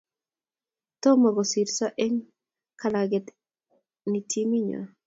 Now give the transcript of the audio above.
tomo kosirtos eng' kalang'et ni timit nyo